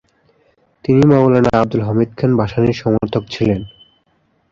তিনি মওলানা আবদুল হামিদ খান ভাসানীর সমর্থক ছিলেন।